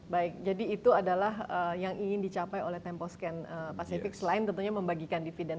baik jadi itu adalah yang ingin dicapai oleh temposcan pacific selain tentunya membagikan dividen